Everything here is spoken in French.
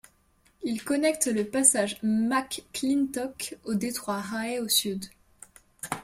Il connecte le passage McClintock au détroit Rae au sud.